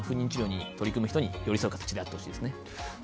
不妊治療に取り組む人に寄り添う形であってほしいですね。